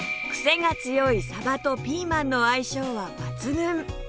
クセが強い鯖とピーマンの相性は抜群！